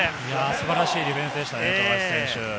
素晴らしいディフェンスでしたね、富樫選手。